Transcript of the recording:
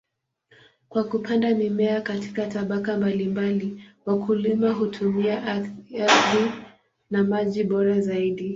Kwa kupanda mimea katika tabaka mbalimbali, wakulima hutumia ardhi na maji bora zaidi.